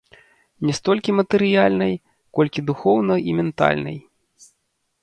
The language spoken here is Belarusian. Не столькі матэрыяльнай, колькі духоўнай і ментальнай.